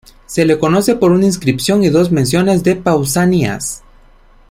Se le conoce por una inscripción y dos menciones de Pausanias.